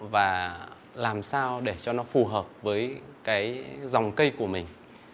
và làm sao để cho nó phù hợp với cái dòng cây của mình